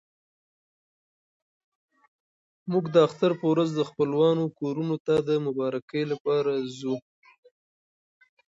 موږ د اختر په ورځ د خپلوانو کورونو ته د مبارکۍ لپاره ځو.